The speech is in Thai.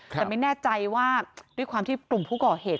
แต่ไม่แน่ใจว่าด้วยความที่กลุ่มผู้ก่อเหตุ